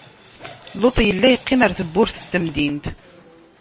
Luṭ illa yeqqim ɣer tebburt n temdint.